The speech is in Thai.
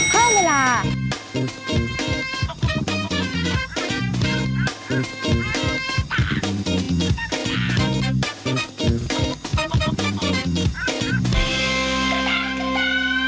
เพิ่มเวลา